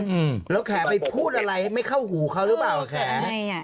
อืมแล้วแขกไปพูดอะไรไม่เข้าหูเขาหรือเปล่าแขก